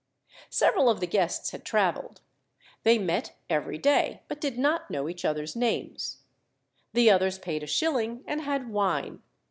Several of the guests had travelled. They met every day, but did not know each other's names. The others paid a shilling, and had wine.